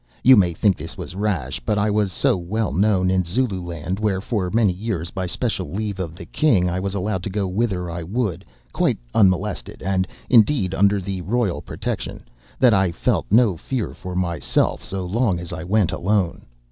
You may think this was rash, but I was so well known in Zululand, where for many years, by special leave of the king, I was allowed to go whither I would quite unmolested and, indeed, under the royal protection, that I felt no fear for myself so long as I went alone.